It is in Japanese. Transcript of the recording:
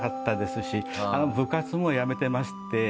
部活も辞めてまして。